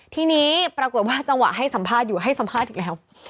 ทีนี้ปรากฏว่าจังหวะให้สัมภาษณ์อยู่ให้สัมภาษณ์อีกแล้ว